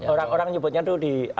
orang orang menyebutnya tuh di